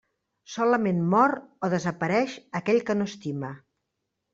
Solament «mor» o «desapareix» aquell que no estima.